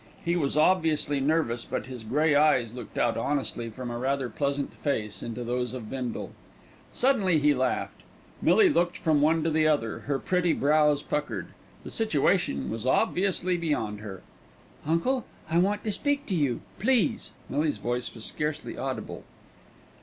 He was obviously nervous, but his grey eyes looked out honestly from a rather pleasant face into those of Bindle. Suddenly he laughed. Millie looked from one to the other, her pretty brows puckered. The situation was obviously beyond her. "Uncle, I want to speak to you, please." Millie's voice was scarcely audible.